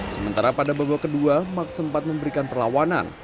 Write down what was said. sementara pada babak kedua mark sempat memberikan perlawanan